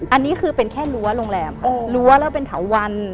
อันนี้คือเป็นแค่รั้วโรงแรมค่ะรั้วแล้วเป็นเถาวัน